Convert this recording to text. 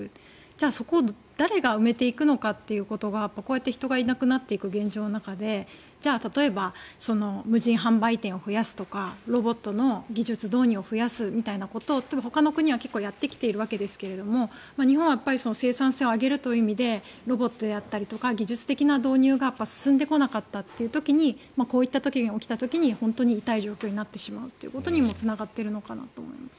じゃあ、そこを誰が埋めていくのかということがこうやって人がいなくなっていく現状の中でじゃあ例えば無人販売店を増やすとかロボットの技術導入を増やすみたいなことをほかの国は結構やってきているわけですが日本は生産性を上げるという意味でロボットだったり技術的な導入が進んでこなかったという時にこういったことが起きた時に本当に痛い状況になってしまうことにもつながっているのかなと。